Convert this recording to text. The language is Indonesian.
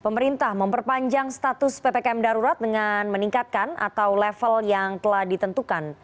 pemerintah memperpanjang status ppkm darurat dengan meningkatkan atau level yang telah ditentukan